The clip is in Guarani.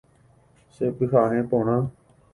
Chepyhare porã.